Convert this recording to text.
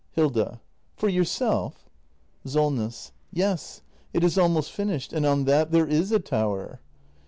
Hilda. For yourself ? Solness. Yes. It is almost finished. And on that there is a tower.